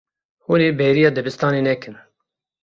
Hûn ê bêriya dibistanê nekin.